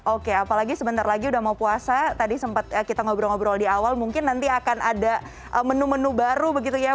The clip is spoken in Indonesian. oke apalagi sebentar lagi udah mau puasa tadi sempat kita ngobrol ngobrol di awal mungkin nanti akan ada menu menu baru begitu ya